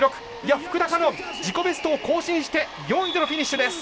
福田果音自己ベストを更新して４位でのフィニッシュです。